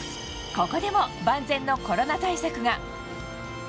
ここでも万全のコロナ対策が。